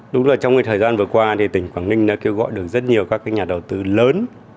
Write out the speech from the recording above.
đúng là trong cái thời gian vừa qua thì tỉnh quảng ninh đã kêu gọi được rất nhiều các nhà đầu tư lớn